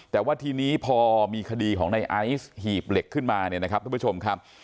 แต่ว่าทีนี้พอมีคดีของในไอซ์หีบเหล็กขึ้นมาเนี่ยนะครับทุกผู้ชมครับ